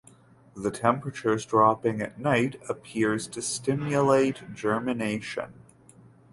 The temperatures dropping at night appears to stimulate germination.